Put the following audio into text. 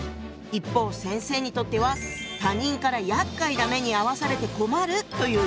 一方先生にとっては「他人からやっかいな目にあわされて困る」という意味。